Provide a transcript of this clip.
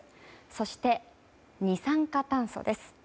そして、二酸化炭素です。